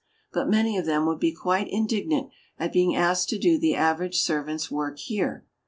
But many of them would be quite indignant at being asked to do the average servant's work here.